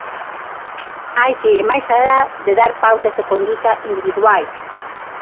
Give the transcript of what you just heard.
Hai que ir máis alá de dar pautas de conduta individuais.